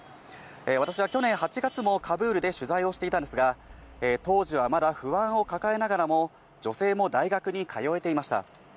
私は去年８月もカブールで取材をしていたんですが、当時はまだ不安を抱えながらも、女性も大学に通えていました。